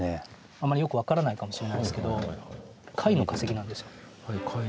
あまりよく分からないかもしれないですけど貝の化石なんですよ。